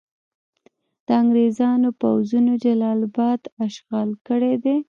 د انګریزانو پوځونو جلال اباد اشغال کړی دی.